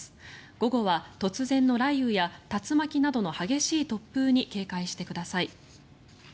午後は突然の雷雨や竜巻などの激しい突風に警戒してください。